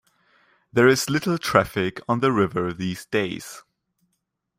There is little traffic on the river these days.